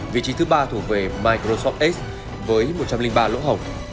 vị trí thứ ba thủ về microsoft edge với một trăm linh ba lỗ hổng